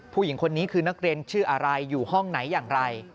ผู้หญิงคนนี้คือนักเรียนชื่ออะไรอยู่ห้องไหนอย่างไร